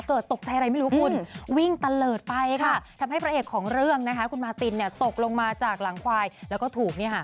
เกิดตกใจอะไรไม่รู้คุณวิ่งตะเลิศไปค่ะทำให้ประเอกของเรื่องนะคะคุณมาตินเนี่ยตกลงมาจากหลังควายแล้วก็ถูกเนี่ยค่ะ